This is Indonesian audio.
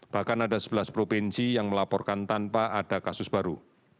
bahkan ada sebelas provinsi yang melaporkan tanpa ada kasus baru